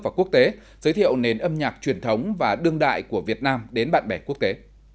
và quốc tế giới thiệu nền âm nhạc truyền thống và đương đại của việt nam đến bạn bè quốc tế